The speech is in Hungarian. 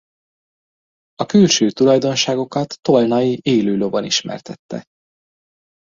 A külső tulajdonságokat Tolnay élő lovon ismertette.